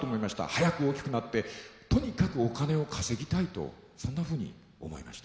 早く大きくなってとにかくお金を稼ぎたいとそんなふうに思いました。